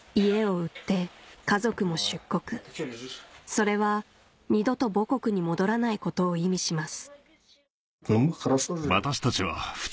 それは二度と母国に戻らないことを意味します